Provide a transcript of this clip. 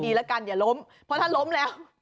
เดี๋ยวถ้าล้มแล้ว